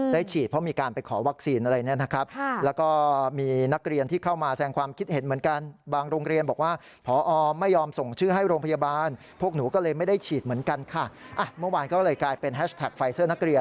เลยกลายเป็นแฮชแท็กไฟเซอร์นักเรียน